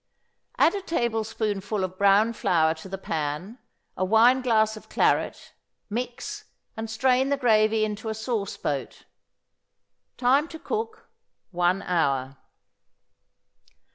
Add a tablespoonful of brown flour to the pan, a wineglass of claret; mix, and strain the gravy into a sauce boat. Time to cook, one hour.